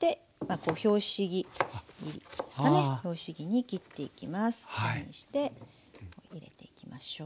こういうふうにして入れていきましょう。